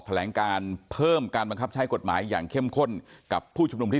แถลงการเพิ่มการบังคับใช้กฎหมายอย่างเข้มข้นกับผู้ชุมนุมที่